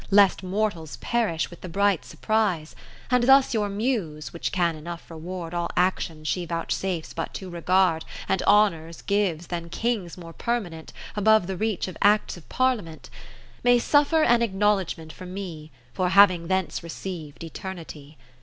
Lest mortals perish with the bright surprise, And thus your Muse (which can enough reward All actions she vouchsafes but to regard, And Honours gives, than Kings more permanent. Above the reach of Acts of Parlia ment) May suffer an acknowledgement from me, For having thence receiv'd Eternity.